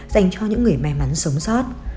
dành cho những người may mắn sống sót